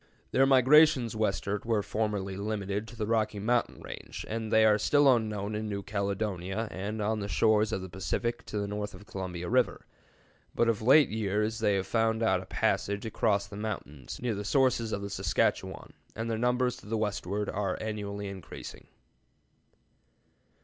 Their migrations westward were formerly limited to the Rocky Mountain range, and they are still unknown in New Caledonia and on the shores of the Pacific to the north of the Columbia River; but of late years they have found out a passage across the mountains near the sources of the Saskatchewan, and their numbers to the westward are annually increasing.